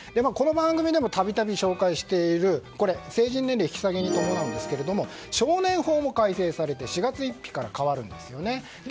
この番組でも度々紹介している成人年齢引き下げに伴うんですが少年法も改正されて４月１日から変わるんですよね。